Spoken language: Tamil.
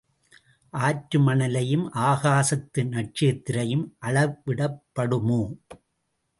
ஆற்று மணலையும் ஆகாசத்து நட்சத்திரத்தையும் அளவிடப்படுமோ?